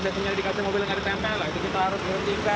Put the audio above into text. bisa dikasih mobil yang ditempel itu kita harus menghentikan